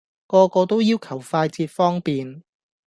個個都要求快捷方便